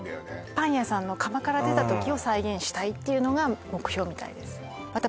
パン屋さんの窯から出た時を再現したいっていうのが目標みたいですまた